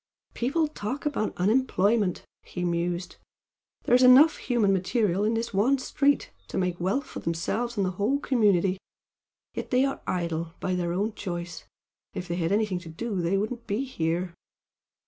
"People talk about unemployment!" he mused "There's enough human material in this one street to make wealth for themselves and the whole community, yet they are idle by their own choice. If they had anything to do they wouldn't be here!"